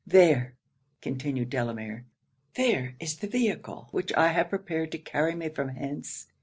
'There,' continued Delamere, 'there is the vehicle which I have prepared to carry me from hence.